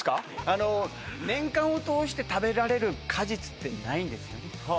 あの年間をとおして食べられる果実ってないんですよね